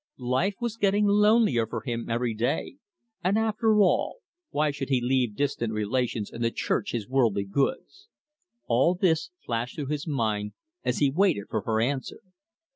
Life was getting lonelier for him every day, and, after all, why should he leave distant relations and the Church his worldly goods? All this flashed through his mind as he waited for her answer.